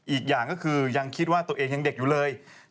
อีกอย่างก็คือยังคิดว่าตัวเองยังเด็กอยู่เลย